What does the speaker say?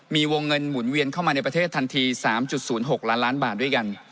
มีวงเงินหมุนเวียนเข้ามาในประเทศทันที๓๐๖ล้านล้านบาทด้วยกัน